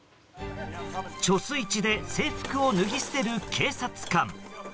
貯水池で制服を脱ぎ捨てる警察官。